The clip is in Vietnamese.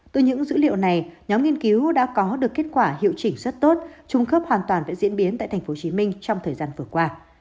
từ những dữ liệu này nhóm nghiên cứu đã có được kết quả hiệu chỉnh rất tốt trung khớp hoàn toàn đã diễn biến tại tp hcm trong thời gian vừa qua